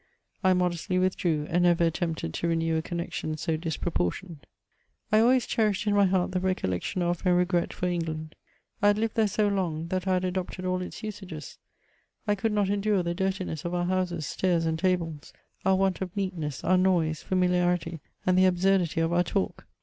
I modestly withdrew, and never attempted to renew a connexion so disproportioned. I always cherished in my heart the recollection of and re gret for England. I had lived there so long, that 1 had adopted all its usages ; I could not endure the dirtiness of our houses, stairs, and tables, our want of neatness, our noise, familiarity, and the absurdity of our talk.